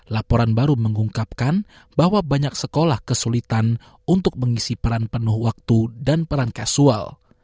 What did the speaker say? laporan baru mengungkapkan bahwa banyak sekolah kesulitan untuk mengisi peran penuh waktu dan peran casual